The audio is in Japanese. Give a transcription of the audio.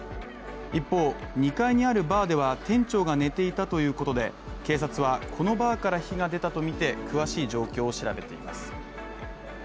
一方、２階にあるバーでは、店長が寝ていたということで、警察は、このバーから火が出たとみて、詳しい状況を調べています。